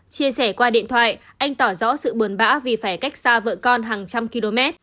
chia sẻ qua điện thoại anh tỏ rõ sự buồn bã vì phải cách xa vợ con hàng trăm km